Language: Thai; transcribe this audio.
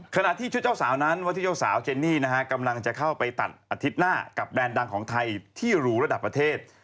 ขณะที่ชุดเจ้าสาวนั้นว่าที่เจ้าสาวเจนนี่นะฮะกำลังจะเข้าไปตัดอาทิตย์หน้ากับแบรนด์ดังของไทยที่หรูระดับประเทศ